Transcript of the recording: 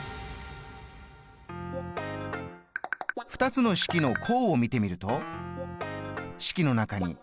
２つの式の項を見てみると式の中に＋と−があります。